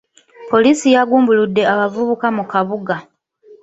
Poliisi yagumbuludde abavubuka mu kabuga.